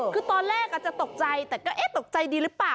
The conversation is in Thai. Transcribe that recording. คือตอนแรกอาจจะตกใจแต่ก็เอ๊ะตกใจดีหรือเปล่า